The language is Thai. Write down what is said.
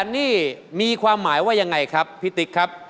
นี่มีความหมายว่ายังไงครับพี่ติ๊กครับ